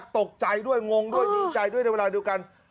ตกใจด้วยงงด้วยยืนใจด้วยโดยเวลาดูกัน